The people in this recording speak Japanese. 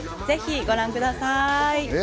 ぜひご覧ください。